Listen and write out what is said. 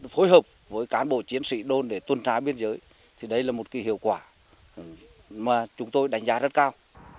phối hợp với cán bộ chiến sĩ đôn để tuân trá biên giới thì đây là một hiệu quả mà chúng tôi đánh giá rất cao